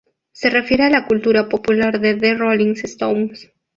Se refiere a la cultura popular de The Rolling Stones.